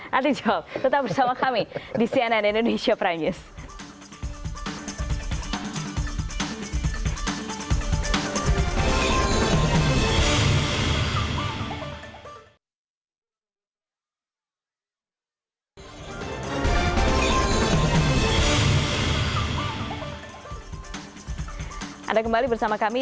nanti dijawab tetap bersama kami